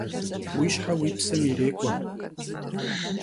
Vuişhe vuipsem yirêk'ue!